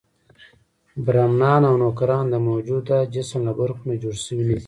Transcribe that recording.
برهمنان او نوکران د موجود جسم له برخو نه جوړ شوي نه دي.